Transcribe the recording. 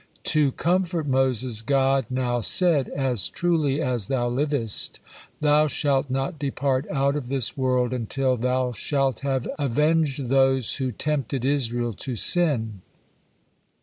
To comfort Moses, God now said: "As truly as thou livest, thou shalt not depart out of this world until thou shalt have avenged those who tempted Israel to sin.